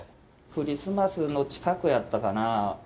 クリスマスの近くやったかなあ。